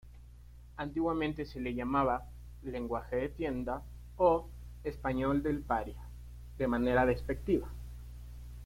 Antiguamente se le llamaba "lenguaje de tienda" o "español del paria", de manera despectiva.